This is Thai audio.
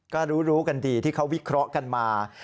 ก็รู้กันดีที่เขาวิเคราะห์กันมา